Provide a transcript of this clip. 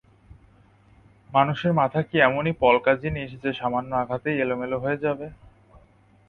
মানুষের মাথা কি এমনই পলকা জিনিস যে সামান্য আঘাতেই এলোমেলো হয়ে যাবে?